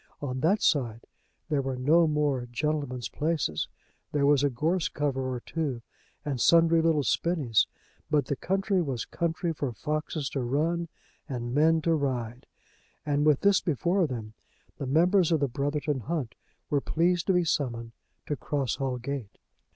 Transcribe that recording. On that side there were no more gentlemen's places; there was a gorse cover or two and sundry little spinnies; but the county was a country for foxes to run and men to ride; and with this before them, the members of the Brotherton Hunt were pleased to be summoned to Cross Hall Gate.